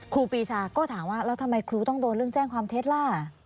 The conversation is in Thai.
ครูปีชาก็ถามว่าแล้วทำไมครูต้องโดนเรื่องแจ้งความเท็จล่ะ